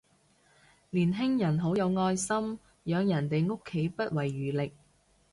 年輕人好有愛心，養人哋屋企不遺餘力